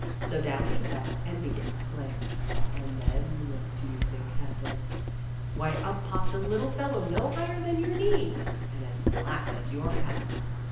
So down he sat and began to play. And then what do you think happened ? Why, up popped a little fellow no higher than your knee and as black as your hat